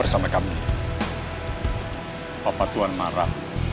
kami dibunuh semuanya nanti